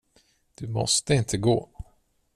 Du måste inte gå.